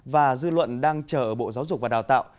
và dư luận đang chờ bộ giáo dục và đào tạo